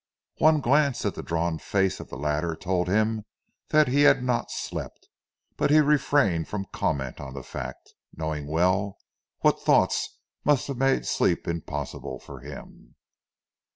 One glance at the drawn face of the latter told him that he had not slept, but he refrained from comment on the fact, knowing well what thoughts must have made sleep impossible for him.